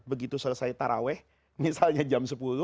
begitu selesai taraweh misalnya jam sepuluh